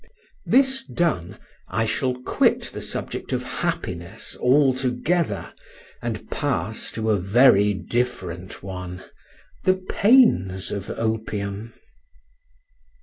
This done, I shall quit the subject of happiness altogether, and pass to a very different one—the pains of opium.